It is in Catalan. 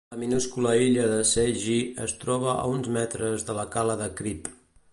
La minúscula illa de Seghy es troba a uns metres de la Cala de Cripp.